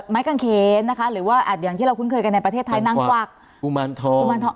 ไม้กางเขนนะคะหรือว่าอย่างที่เราคุ้นเคยกันในประเทศไทยนางกวักกุมารทองกุมารทอง